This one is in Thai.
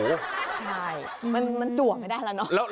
ใช่มันจัวไม่ได้แล้วเนอะ